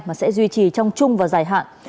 mà sẽ duy trì trong chung và dài hạn